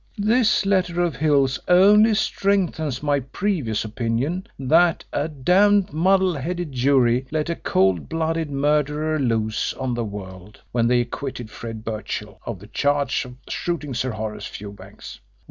This letter of Hill's only strengthens my previous opinion that a damned muddle headed jury let a cold blooded murderer loose on the world when they acquitted Fred Birchill of the charge of shooting Sir Horace Fewbanks.